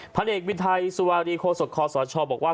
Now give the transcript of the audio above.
พันธุ์เอกวิทัยสุวรรีโครสุขสรชาวบอกว่า